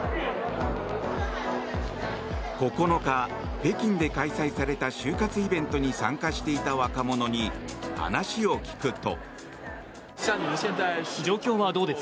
９日、北京で開催された就活イベントに参加していた若者に話を聞くと。